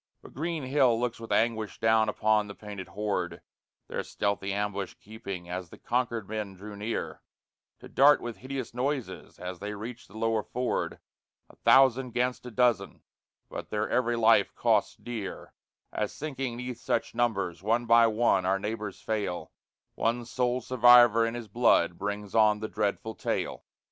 But Green Hill looks with anguish down upon the painted horde Their stealthy ambush keeping as the Concord men draw near, To dart with hideous noises as they reach the lower ford, A thousand 'gainst a dozen; but their every life costs dear As, sinking 'neath such numbers, one by one our neighbors fail: One sole survivor in his blood brings on the dreadful tale.